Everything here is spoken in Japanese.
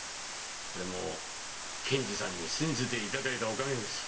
これも検事さんに信じていただいたおかげです。